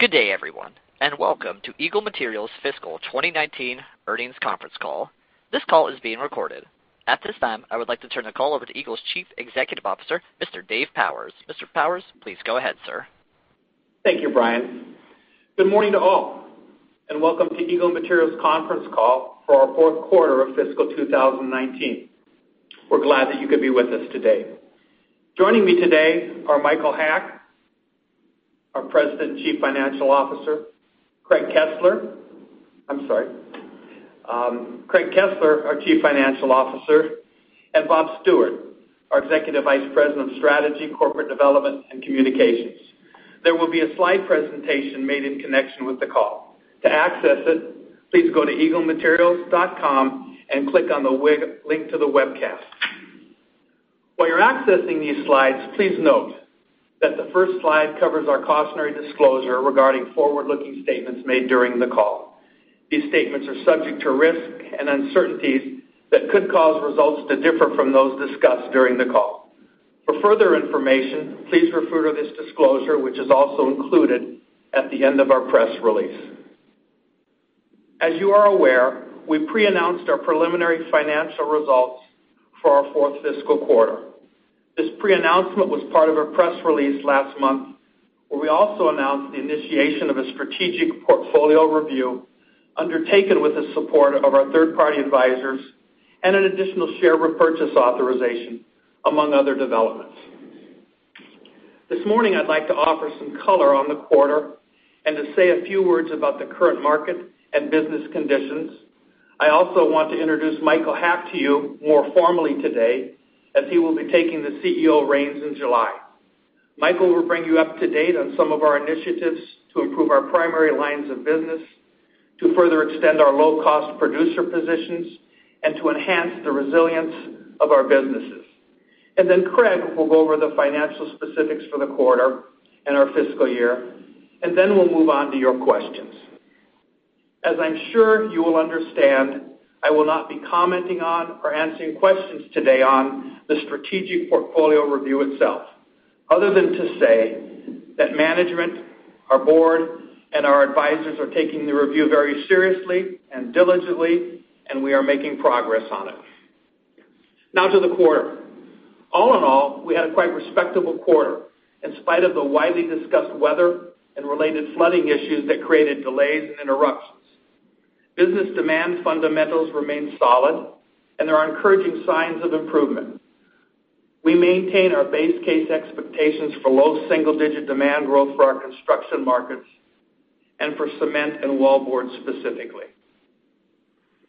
Good day, everyone, and welcome to Eagle Materials Fiscal 2019 Earnings Conference Call. This call is being recorded. At this time, I would like to turn the call over to Eagle's Chief Executive Officer, Mr. Dave Powers. Mr. Powers, please go ahead, sir. Thank you, Brian. Good morning to all, and welcome to Eagle Materials conference call for our fourth quarter of Fiscal 2019. We're glad that you could be with us today. Joining me today are Michael Haack, our President and Chief Financial Officer, Craig Kesler, our Chief Financial Officer, and Bob Stewart, our Executive Vice President of Strategy, Corporate Development, and Communications. There will be a slide presentation made in connection with the call. To access it, please go to eaglematerials.com and click on the link to the webcast. While you're accessing these slides, please note that the first slide covers our cautionary disclosure regarding forward-looking statements made during the call. These statements are subject to risk and uncertainties that could cause results to differ from those discussed during the call. For further information, please refer to this disclosure, which is also included at the end of our press release. You are aware, we pre-announced our preliminary financial results for our fourth fiscal quarter. This pre-announcement was part of our press release last month, where we also announced the initiation of a strategic portfolio review undertaken with the support of our third-party advisors and an additional share repurchase authorization, among other developments. This morning, I'd like to offer some color on the quarter and to say a few words about the current market and business conditions. I also want to introduce Michael Haack to you more formally today, as he will be taking the CEO reins in July. Michael will bring you up to date on some of our initiatives to improve our primary lines of business, to further extend our low-cost producer positions, and to enhance the resilience of our businesses. Craig will go over the financial specifics for the quarter and our fiscal year, then we'll move on to your questions. I'm sure you will understand, I will not be commenting on or answering questions today on the strategic portfolio review itself, other than to say that management, our board, and our advisors are taking the review very seriously and diligently, and we are making progress on it. Now to the quarter. All in all, we had a quite respectable quarter, in spite of the widely discussed weather and related flooding issues that created delays and interruptions. Business demand fundamentals remain solid, and there are encouraging signs of improvement. We maintain our base case expectations for low single-digit demand growth for our construction markets and for cement and wallboard specifically.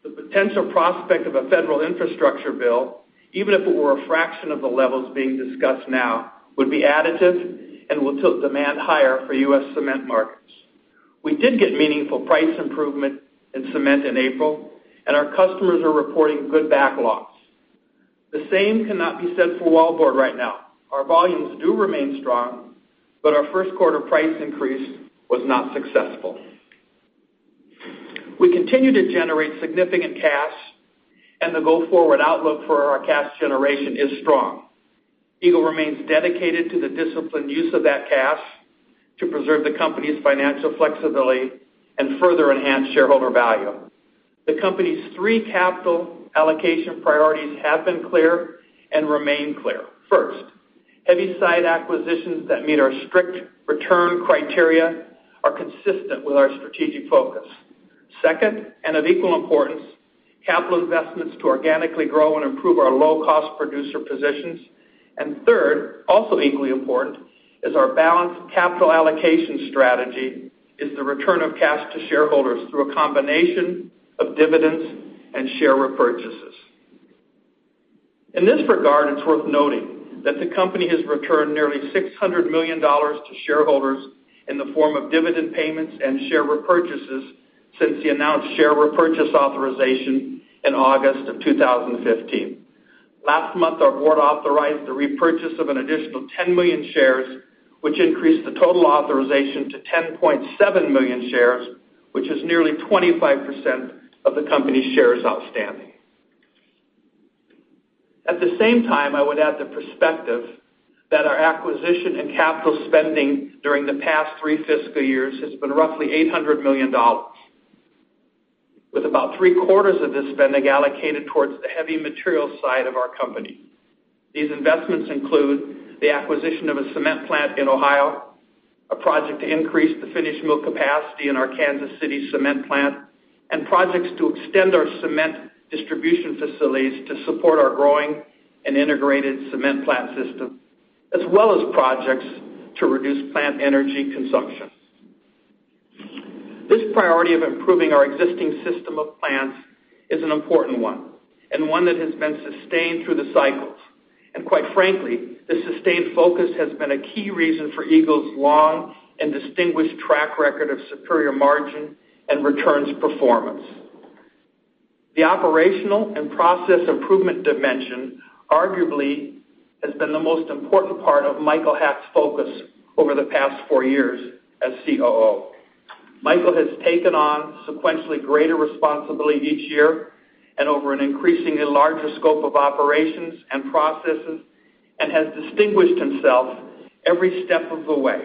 The potential prospect of a federal infrastructure bill, even if it were a fraction of the levels being discussed now, would be additive and will tilt demand higher for U.S. cement markets. We did get meaningful price improvement in cement in April, and our customers are reporting good backlogs. The same cannot be said for wallboard right now. Our volumes do remain strong, but our first quarter price increase was not successful. We continue to generate significant cash, and the go-forward outlook for our cash generation is strong. Eagle remains dedicated to the disciplined use of that cash to preserve the company's financial flexibility and further enhance shareholder value. The company's three capital allocation priorities have been clear and remain clear. First, heavy side acquisitions that meet our strict return criteria are consistent with our strategic focus. Second, of equal importance, capital investments to organically grow and improve our low-cost producer positions. Third, also equally important, is our balanced capital allocation strategy is the return of cash to shareholders through a combination of dividends and share repurchases. In this regard, it's worth noting that the company has returned nearly $600 million to shareholders in the form of dividend payments and share repurchases since the announced share repurchase authorization in August of 2015. Last month, our board authorized the repurchase of an additional 10 million shares, which increased the total authorization to 10.7 million shares, which is nearly 25% of the company's shares outstanding. At the same time, I would add the perspective that our acquisition and capital spending during the past three fiscal years has been roughly $800 million, with about three-quarters of this spending allocated towards the heavy material side of our company. These investments include the acquisition of a cement plant in Fairborn, Ohio, a project to increase the finished mill capacity in our Kansas City cement plant, and projects to extend our cement distribution facilities to support our growing and integrated cement plant system, as well as projects to reduce plant energy consumption. This priority of improving our existing system of plants is an important one, and one that has been sustained through the cycles. And quite frankly, this sustained focus has been a key reason for Eagle's long and distinguished track record of superior margin and returns performance. The operational and process improvement dimension arguably has been the most important part of Michael Haack's focus over the past four years as COO. Michael has taken on sequentially greater responsibility each year and over an increasingly larger scope of operations and processes and has distinguished himself every step of the way.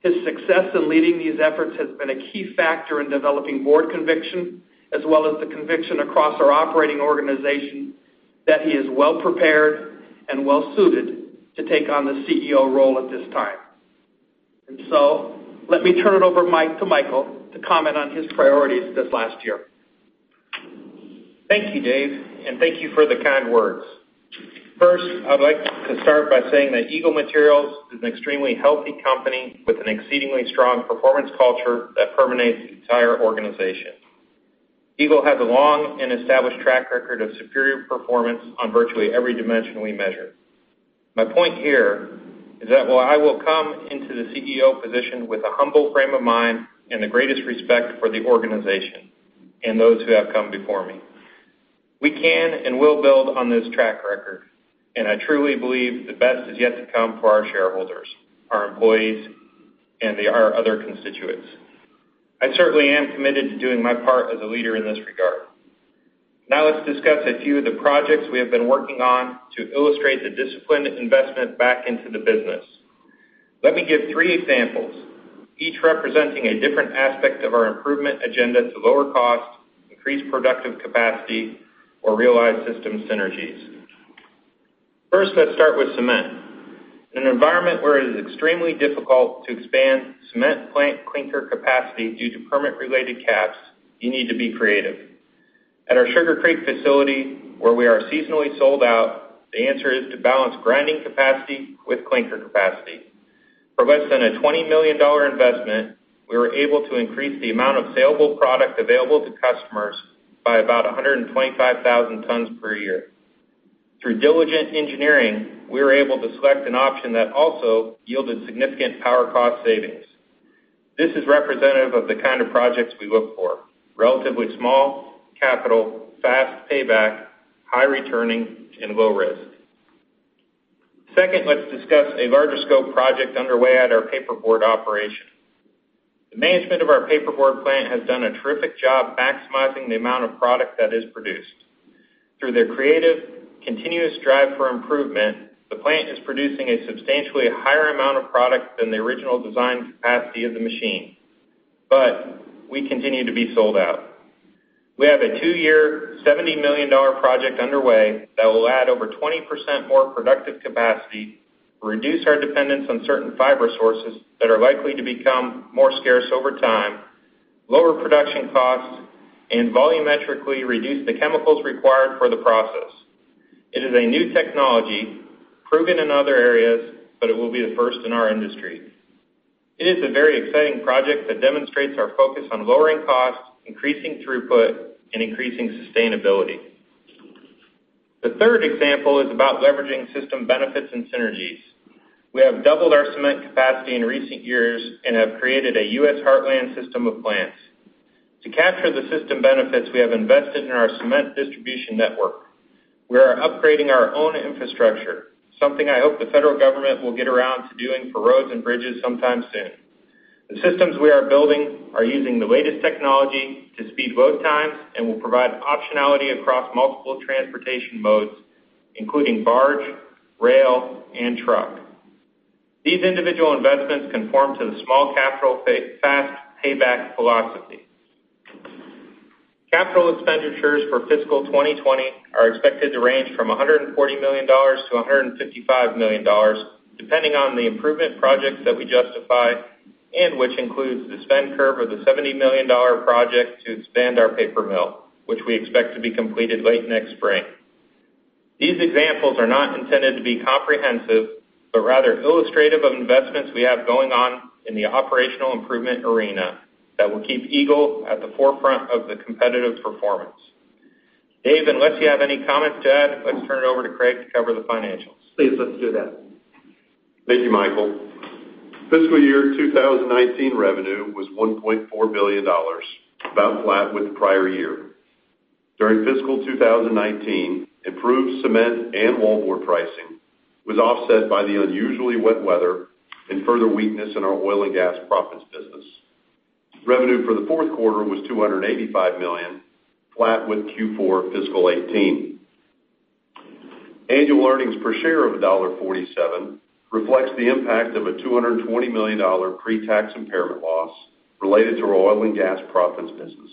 His success in leading these efforts has been a key factor in developing board conviction as well as the conviction across our operating organization that he is well-prepared and well-suited to take on the CEO role at this time. Let me turn it over to Michael to comment on his priorities this last year. Thank you, Dave, and thank you for the kind words. First, I would like to start by saying that Eagle Materials is an extremely healthy company with an exceedingly strong performance culture that permeates the entire organization. Eagle has a long and established track record of superior performance on virtually every dimension we measure. My point here is that while I will come into the CEO position with a humble frame of mind and the greatest respect for the organization and those who have come before me. We can and will build on this track record, and I truly believe the best is yet to come for our shareholders, our employees, and our other constituents. I certainly am committed to doing my part as a leader in this regard. Let's discuss a few of the projects we have been working on to illustrate the disciplined investment back into the business. Let me give three examples, each representing a different aspect of our improvement agenda to lower cost, increase productive capacity, or realize system synergies. First, let's start with cement. In an environment where it is extremely difficult to expand cement plant clinker capacity due to permit-related caps, you need to be creative. At our Sugar Creek facility, where we are seasonally sold out, the answer is to balance grinding capacity with clinker capacity. For less than a $20 million investment, we were able to increase the amount of saleable product available to customers by about 125,000 tons per year. Through diligent engineering, we were able to select an option that also yielded significant power cost savings. This is representative of the kind of projects we look for, relatively small capital, fast payback, high returning, and low risk. Second, let's discuss a larger scope project underway at our paperboard operation. The management of our paperboard plant has done a terrific job maximizing the amount of product that is produced. Through their creative, continuous drive for improvement, the plant is producing a substantially higher amount of product than the original design capacity of the machine. We continue to be sold out. We have a two-year, $70 million project underway that will add over 20% more productive capacity, reduce our dependence on certain fiber sources that are likely to become more scarce over time, lower production costs, and volumetrically reduce the chemicals required for the process. It is a new technology proven in other areas, but it will be the first in our industry. It is a very exciting project that demonstrates our focus on lowering costs, increasing throughput, and increasing sustainability. The third example is about leveraging system benefits and synergies. We have doubled our cement capacity in recent years and have created a U.S. heartland system of plants. To capture the system benefits we have invested in our cement distribution network. We are upgrading our own infrastructure, something I hope the federal government will get around to doing for roads and bridges sometime soon. The systems we are building are using the latest technology to speed load times and will provide optionality across multiple transportation modes, including barge, rail, and truck. These individual investments conform to the small capital, fast payback philosophy. Capital expenditures for fiscal 2020 are expected to range from $140 million-$155 million, depending on the improvement projects that we justify and which includes the spend curve of the $70 million project to expand our paper mill, which we expect to be completed late next spring. These examples are not intended to be comprehensive, but rather illustrative of investments we have going on in the operational improvement arena that will keep Eagle at the forefront of the competitive performance. Dave, unless you have any comments to add, let's turn it over to Craig to cover the financials. Please, let's do that. Thank you, Michael. Fiscal year 2019 revenue was $1.4 billion, about flat with the prior year. During fiscal 2019, improved cement and wallboard pricing was offset by the unusually wet weather and further weakness in our oil and gas proppants business. Revenue for the fourth quarter was $285 million, flat with Q4 fiscal 2018. Annual earnings per share of $1.47 reflects the impact of a $220 million pre-tax impairment loss related to our oil and gas proppants business.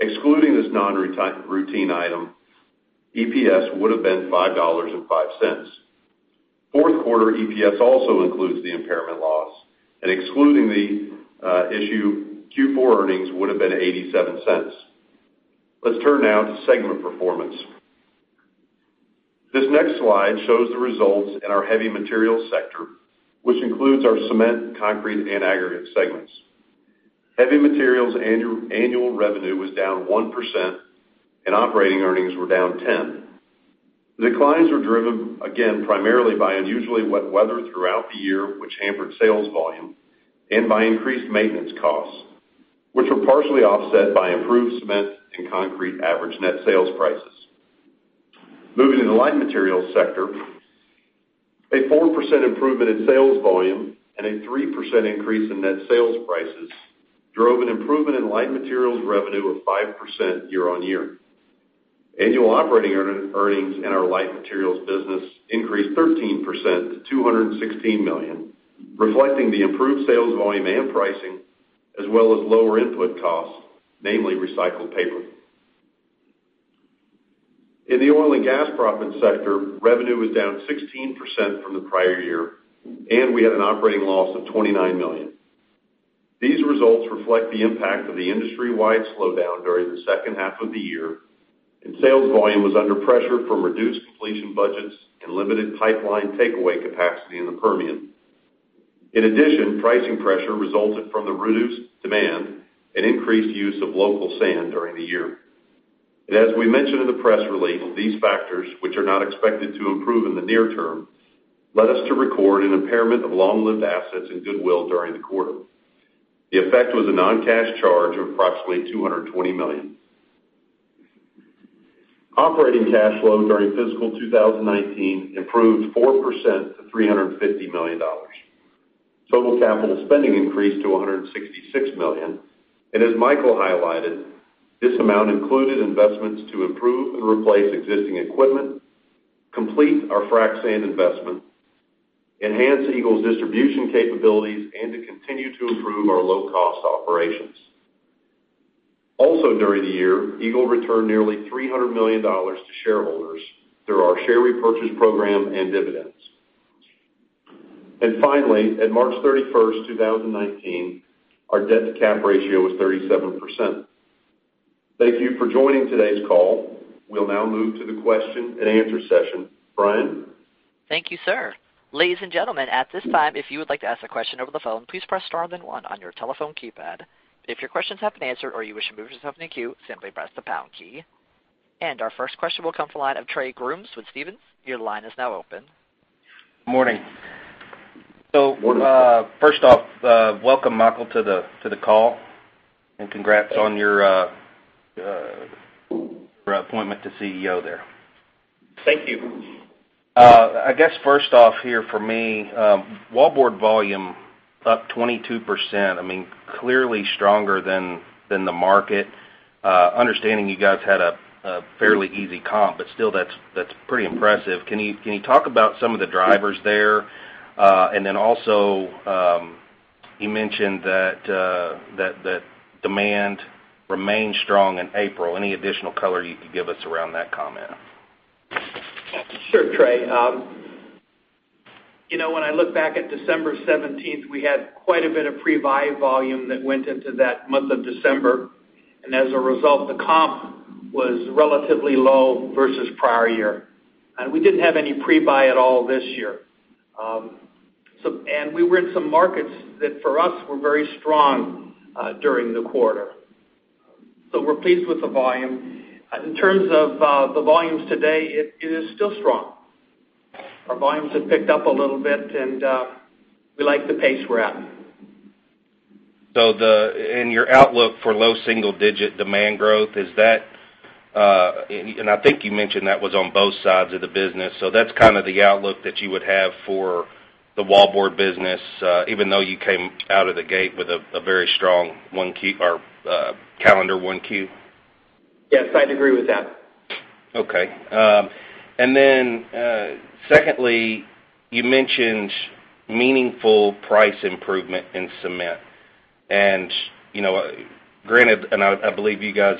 Excluding this non-routine item, EPS would have been $5.05. Fourth quarter EPS also includes the impairment loss, and excluding the issue, Q4 earnings would have been $0.87. Let's turn now to segment performance. This next slide shows the results in our heavy materials sector, which includes our cement, concrete, and aggregate segments. Heavy materials annual revenue was down 1%, and operating earnings were down 10%. Declines were driven again primarily by unusually wet weather throughout the year, which hampered sales volume and by increased maintenance costs, which were partially offset by improved cement and concrete average net sales prices. Moving into the light materials sector, a 4% improvement in sales volume and a 3% increase in net sales prices drove an improvement in light materials revenue of 5% year-over-year. Annual operating earnings in our light materials business increased 13% to $216 million, reflecting the improved sales volume and pricing as well as lower input costs, namely recycled paper. In the oil and gas proppant sector, revenue was down 16% from the prior year, and we had an operating loss of $29 million. These results reflect the impact of the industry-wide slowdown during the second half of the year. Sales volume was under pressure from reduced completion budgets and limited pipeline takeaway capacity in the Permian. In addition, pricing pressure resulted from the reduced demand and increased use of local sand during the year. As we mentioned in the press release, these factors, which are not expected to improve in the near term, led us to record an impairment of long-lived assets and goodwill during the quarter. The effect was a non-cash charge of approximately $220 million. Operating cash flow during fiscal 2019 improved 4% to $350 million. Total capital spending increased to $166 million. As Michael highlighted, this amount included investments to improve and replace existing equipment, complete our frac sand investment, enhance Eagle's distribution capabilities, and to continue to improve our low-cost operations. Also during the year, Eagle returned nearly $300 million to shareholders through our share repurchase program and dividends. Finally, at March 31st, 2019, our debt to cap ratio was 37%. Thank you for joining today's call. We will now move to the question and answer session. Brian? Thank you, sir. Ladies and gentlemen, at this time, if you would like to ask a question over the phone, please press star then one on your telephone keypad. If your questions have been answered or you wish to move yourself in the queue, simply press the pound key. Our first question will come from the line of Trey Grooms with Stephens. Your line is now open. Morning. Morning. First off, welcome Michael to the call, and congrats on your appointment to CEO there. Thank you. I guess first off here for me, wallboard volume up 22%, clearly stronger than the market. Understanding you guys had a fairly easy comp, but still that's pretty impressive. Can you talk about some of the drivers there? Also, you mentioned that demand remained strong in April. Any additional color you could give us around that comment? Sure, Trey. When I look back at December 17th, we had quite a bit of pre-buy volume that went into that month of December, as a result, the comp was relatively low versus prior year. We didn't have any pre-buy at all this year. We were in some markets that for us were very strong during the quarter. We're pleased with the volume. In terms of the volumes today, it is still strong. Our volumes have picked up a little bit, and we like the pace we're at. Your outlook for low single digit demand growth, I think you mentioned that was on both sides of the business, that's kind of the outlook that you would have for the wallboard business even though you came out of the gate with a very strong calendar 1Q? Yes, I'd agree with that. Okay. Secondly, you mentioned meaningful price improvement in cement. Granted, I believe you guys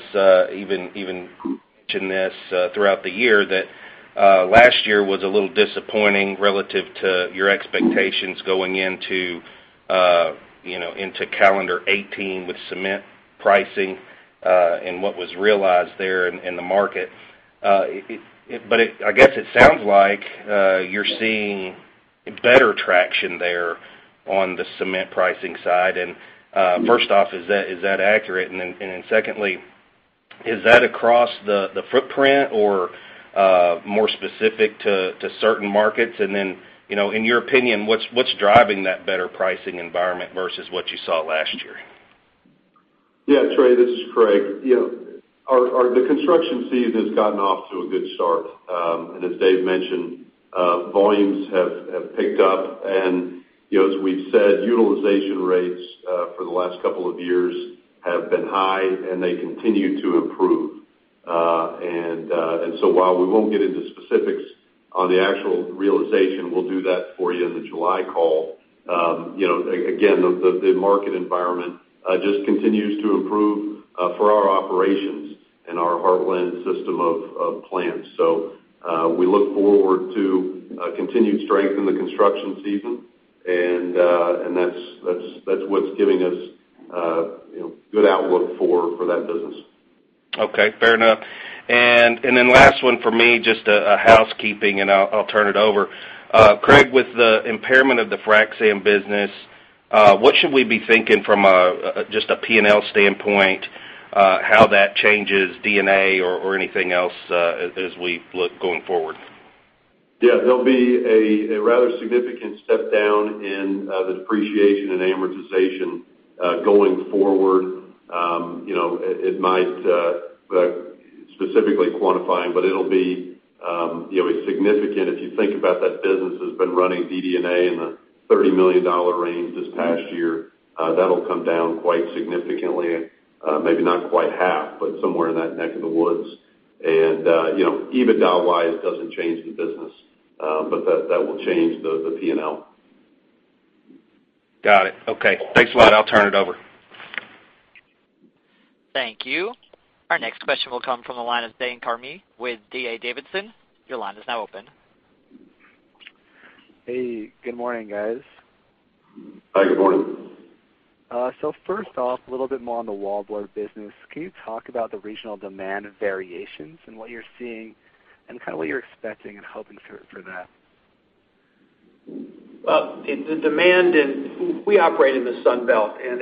even mentioned this throughout the year, that last year was a little disappointing relative to your expectations going into calendar 2018 with cement pricing and what was realized there in the market. I guess it sounds like you're seeing better traction there on the cement pricing side. First off, is that accurate? Secondly, is that across the footprint or more specific to certain markets? Then, in your opinion, what's driving that better pricing environment versus what you saw last year? Yeah, Trey, this is Craig. The construction season has gotten off to a good start. As Dave mentioned, volumes have picked up. As we've said, utilization rates for the last couple of years have been high, and they continue to improve. While we won't get into specifics on the actual realization, we'll do that for you in the July call. The market environment just continues to improve for our operations and our Heartland system of plants. We look forward to continued strength in the construction season, and that's what's giving us a good outlook for that business. Okay, fair enough. Last one for me, just a housekeeping and I'll turn it over. Craig, with the impairment of the frac sand business, what should we be thinking from just a P&L standpoint how that changes DD&A or anything else as we look going forward? Yeah. There'll be a rather significant step down in the depreciation and amortization, going forward. Specifically quantifying, but it'll be significant. If you think about that business that's been running DD&A in the $30 million range this past year, that'll come down quite significantly, maybe not quite half, but somewhere in that neck of the woods. EBITDA-wise, it doesn't change the business. That will change the P&L. Got it. Okay. Thanks a lot. I'll turn it over. Thank you. Our next question will come from the line of Brent Thielman with D.A. Davidson. Your line is now open. Hey, good morning, guys. Hi, good morning. First off, a little bit more on the wallboard business. Can you talk about the regional demand variations and what you're seeing, and what you're expecting and hoping for that? We operate in the Sun Belt, and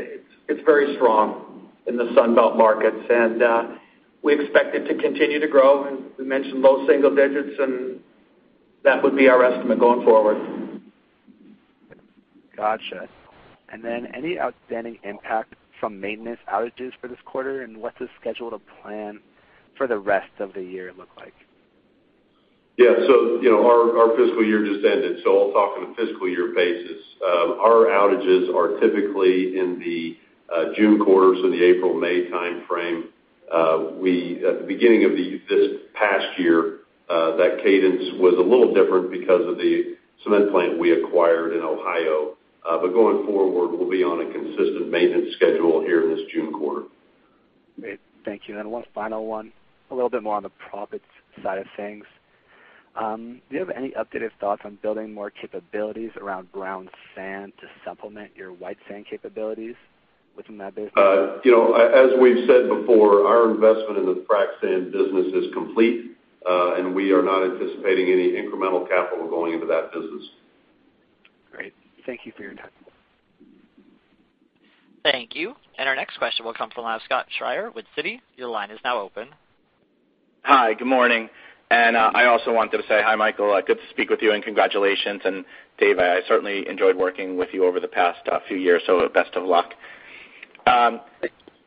it's very strong in the Sun Belt markets, and we expect it to continue to grow. We mentioned low single digits, and that would be our estimate going forward. Got you. Any outstanding impact from maintenance outages for this quarter, and what's the schedule to plan for the rest of the year look like? Yeah. Our fiscal year just ended, I'll talk on a fiscal year basis. Our outages are typically in the June quarter, so the April, May timeframe. At the beginning of this past year, that cadence was a little different because of the cement plant we acquired in Ohio. Going forward, we'll be on a consistent maintenance schedule here in this June quarter. Great. Thank you. One final one. A little bit more on the profit side of things. Do you have any updated thoughts on building more capabilities around brown sand to supplement your white sand capabilities within that business? As we've said before, our investment in the frac sand business is complete, and we are not anticipating any incremental capital going into that business. Great. Thank you for your time. Thank you. Our next question will come from the line of Scott Schrier with Citi. Your line is now open. Hi, good morning. I also wanted to say hi, Michael. Good to speak with you, and congratulations. Dave, I certainly enjoyed working with you over the past few years, so best of luck. Same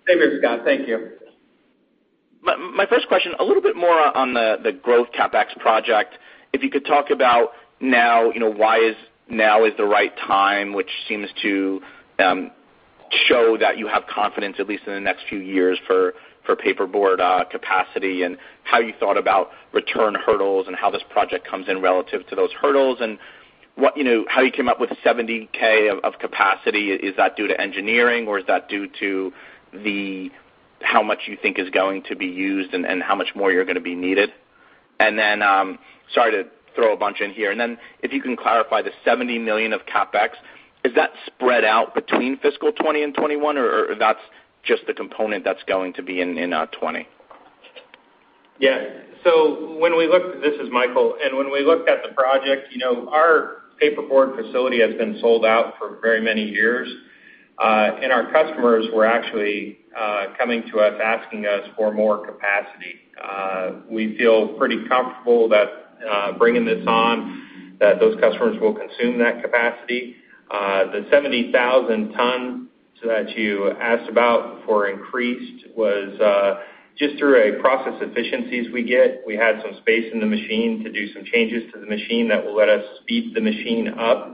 here, Scott. Thank you. My first question, a little bit more on the growth CapEx project. If you could talk about why now is the right time, which seems to show that you have confidence, at least in the next few years, for paperboard capacity, how you thought about return hurdles and how this project comes in relative to those hurdles. How you came up with 70,000 of capacity? Is that due to engineering, or is that due to how much you think is going to be used and how much more you're going to be needed? Sorry to throw a bunch in here. If you can clarify the $70 million of CapEx, is that spread out between fiscal 2020 and 2021, or that's just the component that's going to be in 2020? This is Michael. When we looked at the project, our paperboard facility has been sold out for very many years. Our customers were actually coming to us asking us for more capacity. We feel pretty comfortable that bringing this on, that those customers will consume that capacity. The 70,000 tons that you asked about for increased was just through process efficiencies we get. We had some space in the machine to do some changes to the machine that will let us speed the machine up.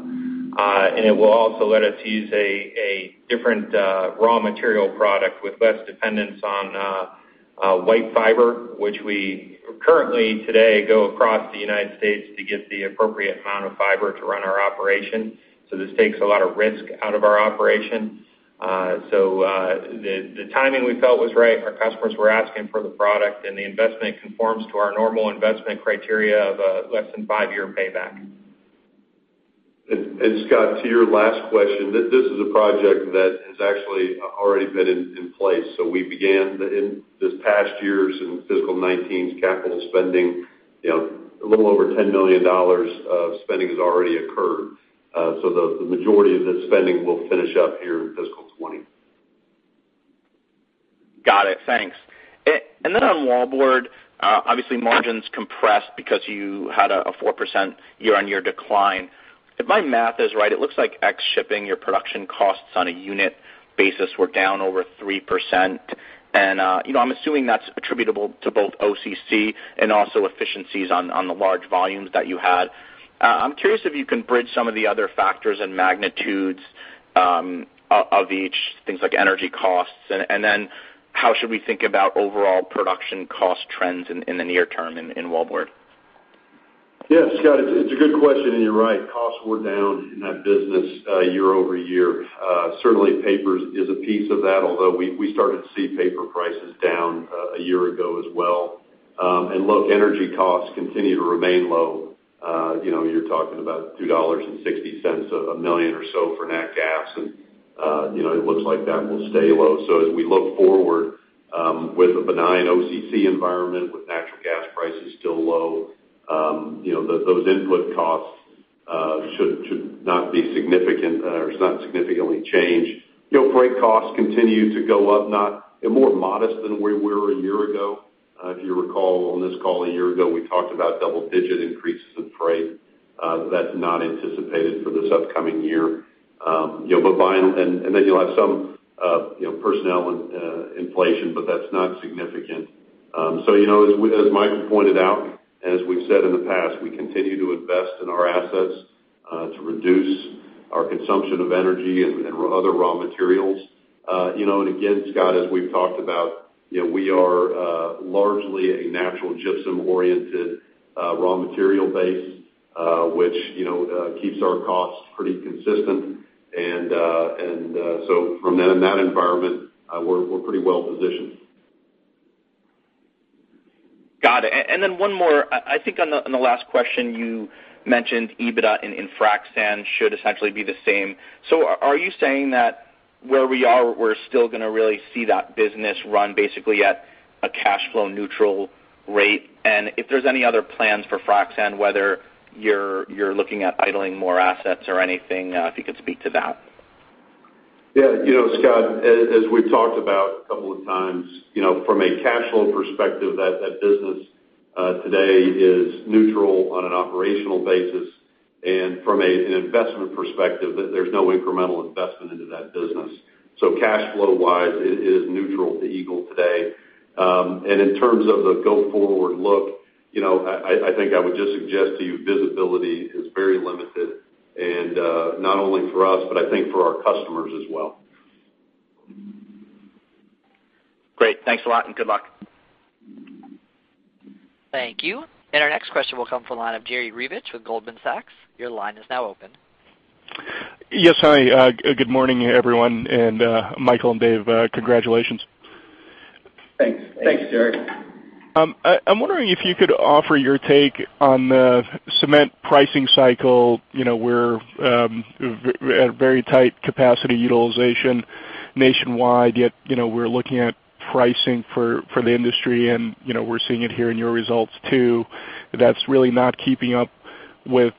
It will also let us use a different raw material product with less dependence on white fiber, which we currently today go across the U.S. to get the appropriate amount of fiber to run our operation. This takes a lot of risk out of our operation. The timing we felt was right. Our customers were asking for the product, and the investment conforms to our normal investment criteria of a less than five-year payback. Scott, to your last question, this is a project that has actually already been in place. We began this past year, in FY 2019's capital spending, a little over $10 million of spending has already occurred. The majority of the spending will finish up here in FY 2020. Got it. Thanks. On wallboard, obviously margins compressed because you had a 4% year-on-year decline. If my math is right, it looks like ex shipping your production costs on a unit basis were down over 3%. I'm assuming that's attributable to both OCC and also efficiencies on the large volumes that you had. I'm curious if you can bridge some of the other factors and magnitudes of each, things like energy costs. How should we think about overall production cost trends in the near term in wallboard? Yeah, Scott, it's a good question, and you're right. Costs were down in that business year-over-year. Certainly, paper prices is a piece of that, although we started to see paper prices down a year ago as well. Look, energy costs continue to remain low. You're talking about $2.60 a million or so for natural gas, and it looks like that will stay low. As we look forward with a benign OCC environment with natural gas prices still low, those input costs should not be significant or it's not significantly changed. Freight costs continue to go up, more modest than where we were a year ago. If you recall on this call a year ago, we talked about double-digit increases in freight. That's not anticipated for this upcoming year. Then you'll have some personnel inflation, but that's not significant. As Michael pointed out, as we've said in the past, we continue to invest in our assets to reduce our consumption of energy and other raw materials. Again, Scott, as we've talked about, we are largely a natural gypsum-oriented, raw material base, which keeps our costs pretty consistent. From then in that environment, we're pretty well positioned. Got it. Then one more, I think on the last question you mentioned EBITDA and frac sand should essentially be the same. Are you saying that where we are, we're still going to really see that business run basically at a cash flow neutral rate? If there's any other plans for frac sand, whether you're looking at idling more assets or anything, if you could speak to that. Yeah, Scott, as we've talked about a couple of times, from a cash flow perspective, that business today is neutral on an operational basis. From an investment perspective, there's no incremental investment into that business. Cash flow wise, it is neutral to Eagle today. In terms of the go forward look, I think I would just suggest to you visibility is very limited, and not only for us, but I think for our customers as well. Great. Thanks a lot. Good luck. Thank you. Our next question will come from the line of Jerry Revich with Goldman Sachs. Your line is now open. Yes, hi. Good morning, everyone, and Michael and Dave, congratulations. Thanks. Thanks, Jerry. I'm wondering if you could offer your take on the cement pricing cycle. We're at a very tight capacity utilization nationwide, yet we're looking at pricing for the industry, and we're seeing it here in your results, too. That's really not keeping up with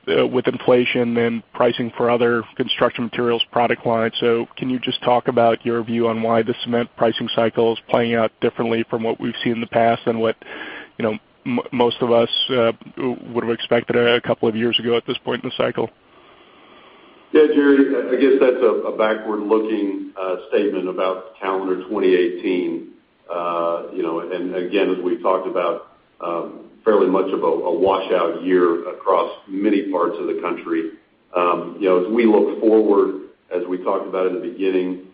inflation and pricing for other construction materials product lines. Can you just talk about your view on why the cement pricing cycle is playing out differently from what we've seen in the past and what most of us would've expected a couple of years ago at this point in the cycle? Yeah, Jerry, I guess that's a backward-looking statement about calendar 2018. Again, as we talked about, fairly much of a washout year across many parts of the country. As we look forward, as we talked about in the beginning,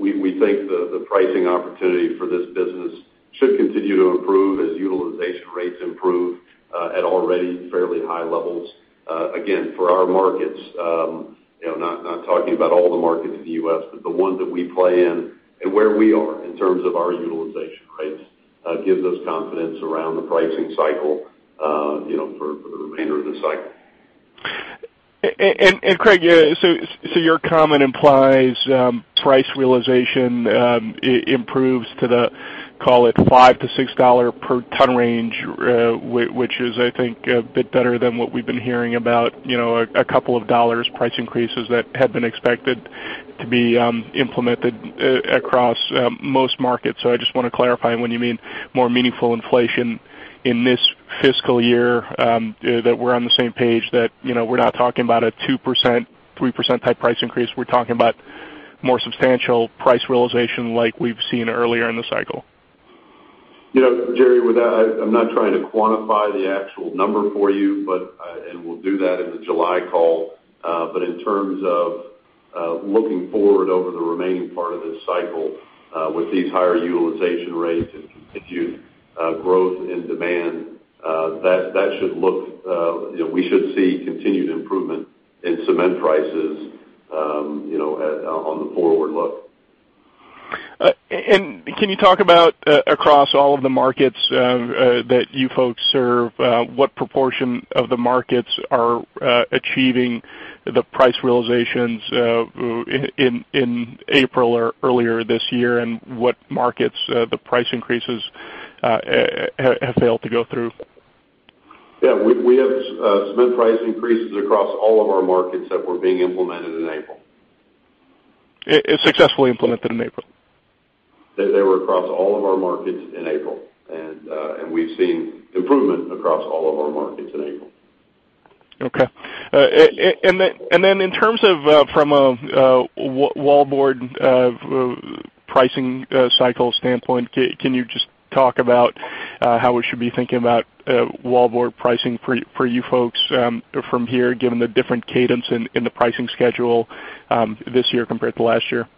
we think the pricing opportunity for this business should continue to improve as utilization rates improve at already fairly high levels. Again, for our markets, not talking about all the markets in the U.S., but the ones that we play in and where we are in terms of our utilization rates gives us confidence around the pricing cycle for the remainder of this cycle. Craig, so your comment implies price realization improves to the, call it $5-$6 per ton range, which is, I think, a bit better than what we've been hearing about a couple of dollars price increases that had been expected to be implemented across most markets. I just want to clarify when you mean more meaningful inflation in this fiscal year, that we're on the same page that we're not talking about a 2%-3% type price increase. We're talking about more substantial price realization like we've seen earlier in the cycle. Jerry, I'm not trying to quantify the actual number for you, and we'll do that in the July call. In terms of looking forward over the remaining part of this cycle with these higher utilization rates and continued growth in demand, we should see continued improvement in cement prices on the forward look. Can you talk about, across all of the markets that you folks serve, what proportion of the markets are achieving the price realizations in April or earlier this year, and what markets the price increases have failed to go through? Yeah. We have cement price increases across all of our markets that were being implemented in April. Successfully implemented in April? They were across all of our markets in April, and we've seen improvement across all of our markets in April. Okay. In terms of from a wallboard pricing cycle standpoint, can you just talk about how we should be thinking about wallboard pricing for you folks from here, given the different cadence in the pricing schedule this year compared to last year?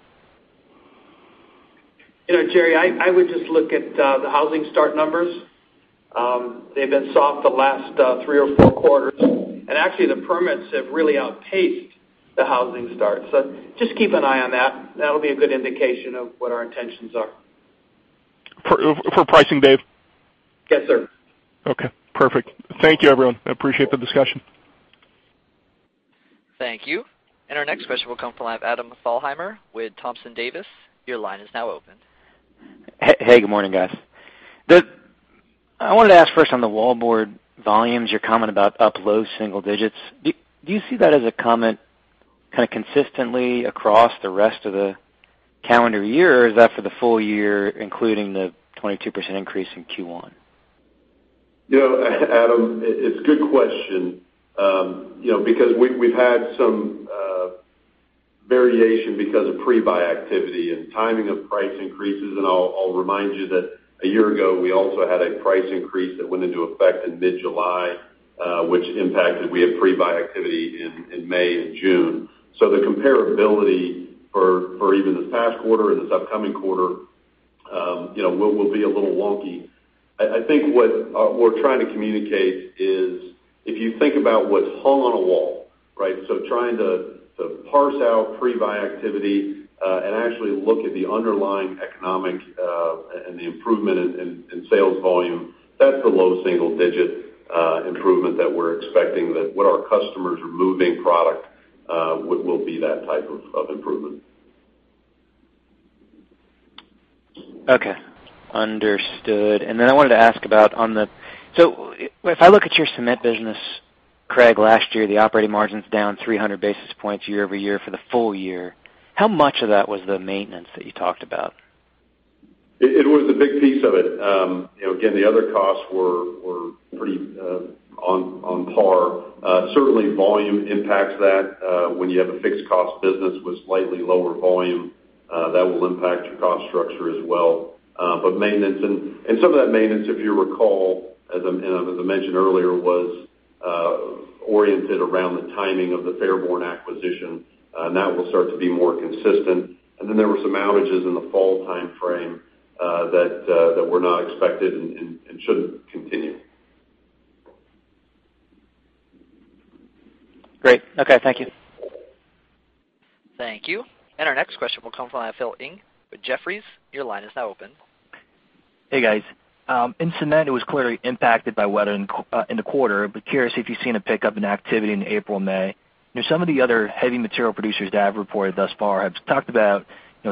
Jerry, I would just look at the housing start numbers. They've been soft the last three or four quarters, and actually the permits have really outpaced the housing starts. Just keep an eye on that. That'll be a good indication of what our intentions are. For pricing, Dave? Yes, sir. Okay, perfect. Thank you, everyone. I appreciate the discussion. Thank you. Our next question will come from Adam Thalhimer with Thompson Davis. Your line is now open. Hey, good morning, guys. I wanted to ask first on the wallboard volumes, your comment about up low single digits. Do you see that as a comment kind of consistently across the rest of the calendar year, or is that for the full year, including the 22% increase in Q1? Adam, it's a good question. We've had some variation because of pre-buy activity and timing of price increases, and I'll remind you that a year ago, we also had a price increase that went into effect in mid-July. We had pre-buy activity in May and June. The comparability for even this past quarter and this upcoming quarter will be a little wonky. I think what we're trying to communicate is if you think about what's hung on a wall, right? Trying to parse out pre-buy activity, and actually look at the underlying economic, and the improvement in sales volume. That's the low single-digit improvement that we're expecting that what our customers are moving product will be that type of improvement. Okay. Understood. I wanted to ask about on the If I look at your Cement business, Craig, last year, the operating margin's down 300 basis points year-over-year for the full year. How much of that was the maintenance that you talked about? It was a big piece of it. Again, the other costs were pretty on par. Certainly, volume impacts that. When you have a fixed cost business with slightly lower volume, that will impact your cost structure as well. Maintenance, and some of that maintenance, if you recall, as I mentioned earlier, was oriented around the timing of the Fairborn acquisition. That will start to be more consistent. There were some outages in the fall timeframe that were not expected and shouldn't continue. Great. Okay, thank you. Thank you. Our next question will come from Philip Ng with Jefferies. Your line is now open. Hey, guys. In Cement, it was clearly impacted by weather in the quarter. Curious if you've seen a pickup in activity in April, May. Some of the other heavy material producers that have reported thus far have talked about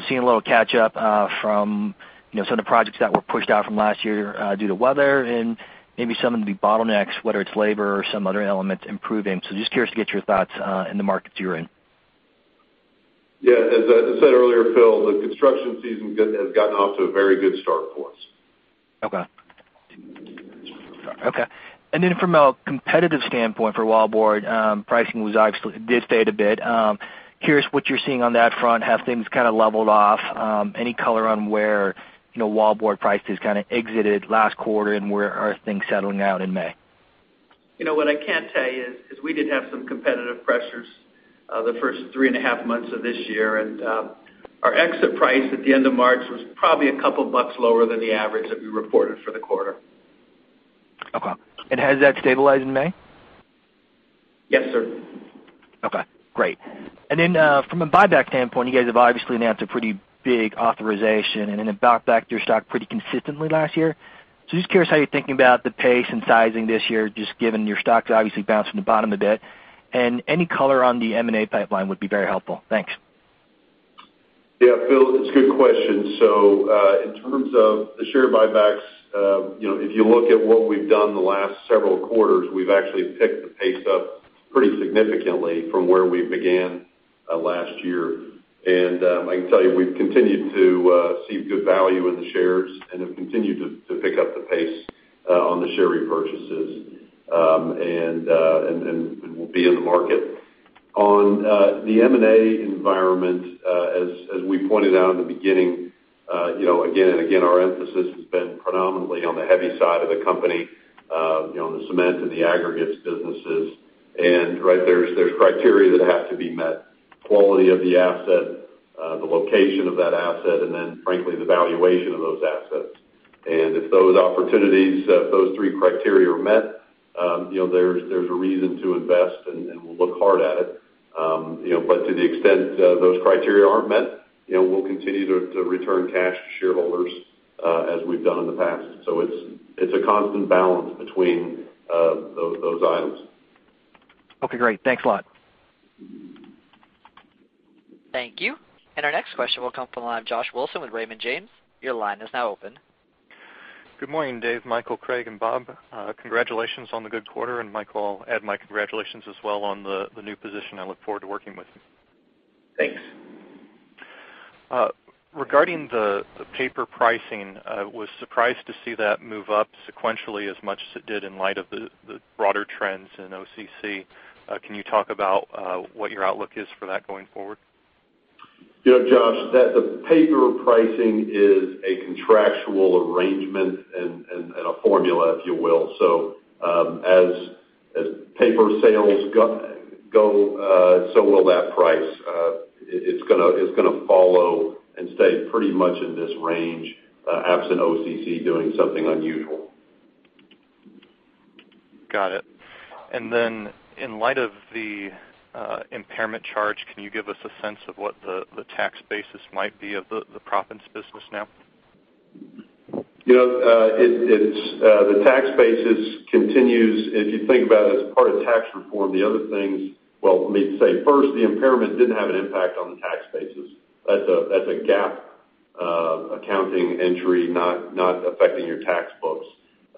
seeing a little catch up from some of the projects that were pushed out from last year due to weather and maybe some of the bottlenecks, whether it's labor or some other element improving. Just curious to get your thoughts in the markets you're in. Yeah. As I said earlier, Phil, the construction season has gotten off to a very good start for us. Okay. From a competitive standpoint for wallboard, pricing did fade a bit. Curious what you're seeing on that front. Have things kind of leveled off? Any color on where wallboard prices kind of exited last quarter, and where are things settling out in May? What I can tell is we did have some competitive pressures the first three and a half months of this year, and our exit price at the end of March was probably a couple bucks lower than the average that we reported for the quarter. Okay. Has that stabilized in May? Yes, sir. Okay, great. From a buyback standpoint, you guys have obviously announced a pretty big authorization, and then bought back your stock pretty consistently last year. Just curious how you're thinking about the pace and sizing this year, just given your stock obviously bounced from the bottom a bit. Any color on the M&A pipeline would be very helpful. Thanks. Yeah, Phil, it's a good question. In terms of the share buybacks, if you look at what we've done the last several quarters, we've actually picked the pace up pretty significantly from where we began last year. I can tell you, we've continued to see good value in the shares and have continued to pick up the pace on the share repurchases. We'll be in the market. On the M&A environment, as we pointed out in the beginning, again and again, our emphasis has been predominantly on the heavy side of the company, on the Cement and the Aggregates businesses. Right there's criteria that have to be met, quality of the asset, the location of that asset, and then frankly, the valuation of those assets. If those opportunities, if those three criteria are met, there's a reason to invest, and we'll look hard at it. To the extent those criteria aren't met, we'll continue to return cash to shareholders, as we've done in the past. It's a constant balance between those items. Okay, great. Thanks a lot. Thank you. Our next question will come from the line of Josh Wilson with Raymond James. Your line is now open. Good morning, Dave, Michael, Craig, and Bob. Congratulations on the good quarter, and Michael, I'll add my congratulations as well on the new position. I look forward to working with you. Thanks. Regarding the paper pricing, I was surprised to see that move up sequentially as much as it did in light of the broader trends in OCC. Can you talk about what your outlook is for that going forward? Josh, the paper pricing is a contractual arrangement and a formula, if you will. As paper sales go, so will that price. It's going to follow and stay pretty much in this range, absent OCC doing something unusual. Got it. In light of the impairment charge, can you give us a sense of what the tax basis might be of the Proppants business now? The tax basis continues, if you think about it as part of tax reform, the other things Well, let me say, first, the impairment didn't have an impact on the tax basis. That's a GAAP accounting entry, not affecting your tax books.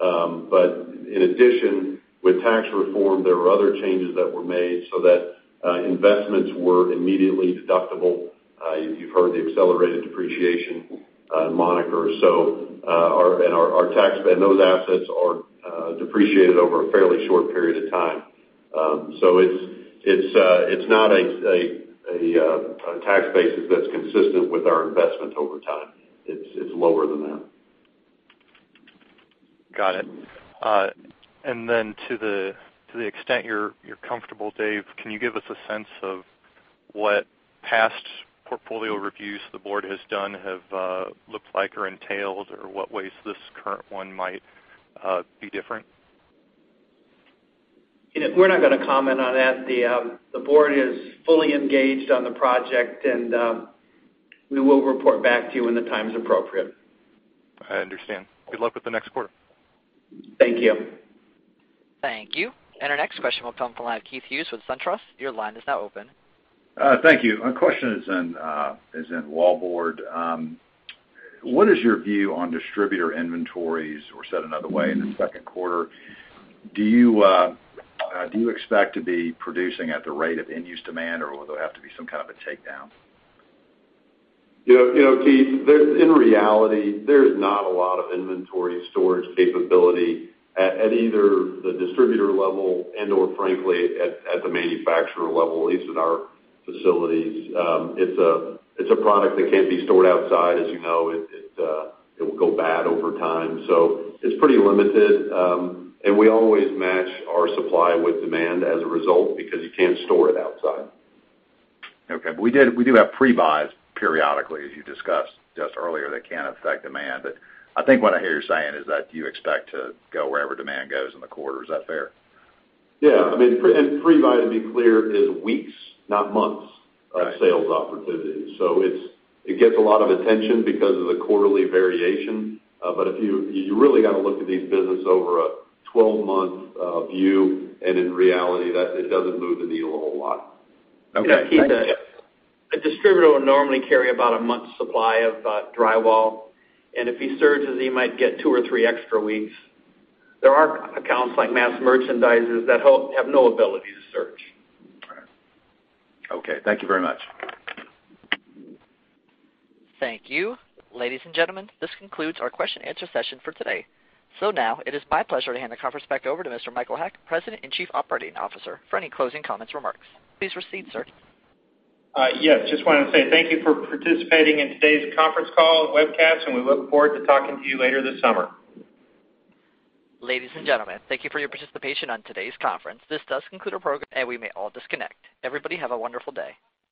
In addition, with tax reform, there were other changes that were made so that investments were immediately deductible. You've heard the accelerated depreciation moniker. Those assets are depreciated over a fairly short period of time. It's not a tax basis that's consistent with our investments over time. It's lower than that. Got it. Then to the extent you're comfortable, Dave, can you give us a sense of what past portfolio reviews the board has done have looked like or entailed, or what ways this current one might be different? We're not going to comment on that. The board is fully engaged on the project, and we will report back to you when the time is appropriate. I understand. Good luck with the next quarter. Thank you. Thank you. Our next question will come from Keith Hughes with SunTrust. Your line is now open. Thank you. My question is in wallboard. What is your view on distributor inventories, or said another way, in the second quarter, do you expect to be producing at the rate of end-use demand, or will there have to be some kind of a takedown? Keith, in reality, there is not a lot of inventory storage capability at either the distributor level and/or frankly, at the manufacturer level, at least at our facilities. It's a product that can't be stored outside, as you know. It will go bad over time. It's pretty limited. We always match our supply with demand as a result because you can't store it outside. Okay. We do have pre-buys periodically, as you discussed just earlier, that can affect demand. I think what I hear you saying is that you expect to go wherever demand goes in the quarter. Is that fair? Yeah. pre-buy, to be clear, is weeks, not months. Got it of sales opportunity. It gets a lot of attention because of the quarterly variation. You really got to look at these business over a 12-month view, and in reality, that it doesn't move the needle a whole lot. Okay. Yeah, Keith. A distributor would normally carry about a month's supply of drywall, and if he surges, he might get two or three extra weeks. There are accounts like mass merchandisers that have no ability to surge. All right. Okay. Thank you very much. Thank you. Ladies and gentlemen, this concludes our question and answer session for today. Now it is my pleasure to hand the conference back over to Mr. Michael Haack, President and Chief Operating Officer, for any closing comments or remarks. Please proceed, sir. Yes. Just wanted to say thank you for participating in today's conference call and webcast, and we look forward to talking to you later this summer. Ladies and gentlemen, thank you for your participation on today's conference. This does conclude our program, and we may all disconnect. Everybody have a wonderful day.